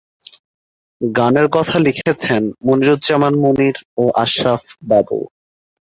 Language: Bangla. গানের কথা লিখেছেন মনিরুজ্জামান মনির ও আশরাফ বাবু।